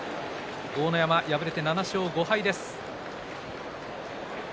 豪ノ山は敗れて７勝５敗です。